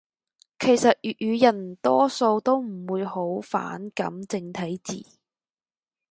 其實粵語人多數都唔會好反感正體字